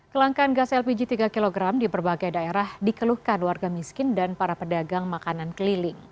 kelangkaan gas lpg tiga kg di berbagai daerah dikeluhkan warga miskin dan para pedagang makanan keliling